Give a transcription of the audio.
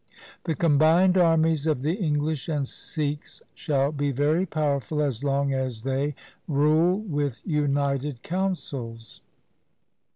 The combined armies of the English and Sikhs shall be very powerful as long as they rule with united councils.